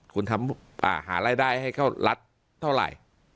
คุณทำหารายได้ให้เข้ารัฐเท่าไหร่